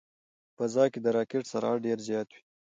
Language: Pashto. په فضا کې د راکټ سرعت ډېر زیات وي.